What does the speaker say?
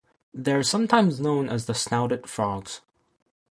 They are sometimes known as the snouted frogs.